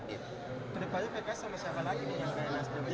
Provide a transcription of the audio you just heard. berapa banyak pks sama siapa lagi